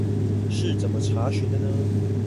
是怎麼查詢的呢？